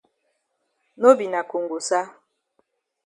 No be na kongosa.